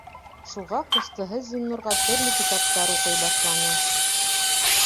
Шуға ҡустыһы Зиннурға төрлө китаптар уҡый башланы.